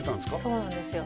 そうなんですよ